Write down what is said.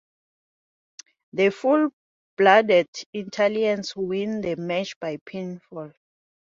The Full Blooded Italians won the match by pinfall.